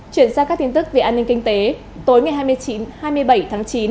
chuyển sang các tin tức về an ninh kinh tế tối ngày hai mươi chín hai mươi bảy tháng chín